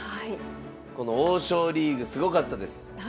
この王将リーグすごかったです。